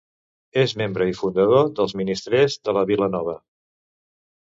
És membre i fundador dels Ministrers de la Vila Nova.